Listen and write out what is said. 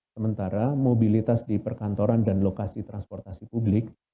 sementara mobilitas di perkantoran dan lokasi transportasi publik